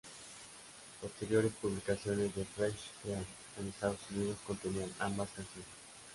Posteriores publicaciones de "Fresh Cream" en Estados Unidos contenían ambas canciones.